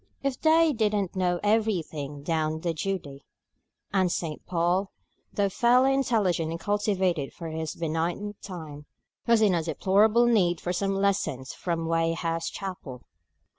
"They didn't know everything down in Judee;" and St. Paul, though fairly intelligent and cultivated for his benighted time, was in a deplorable need of some lessons from Weigh house Chapel.